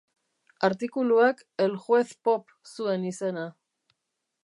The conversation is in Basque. Artikuluak El juez pop zuen izena.